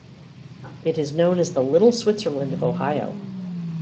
It is known as The Little Switzerland of Ohio.